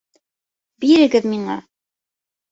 — Бирегеҙ миңә!